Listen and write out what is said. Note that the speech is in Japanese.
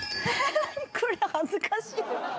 これ恥ずかしい。